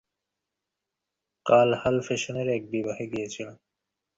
কাল হালফ্যাশনের এক বিবাহে গিয়েছিলাম।